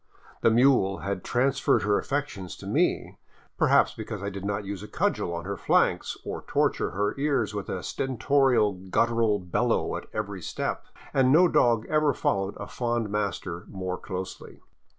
The mule had transferred her affections to me, perhaps because I did not use a cudgel on her flanks or torture her ears with a stentorial guttural bellow at every step, and no dog ever followed a fond master more closely.